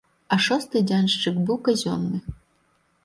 А шосты дзяншчык быў казённы.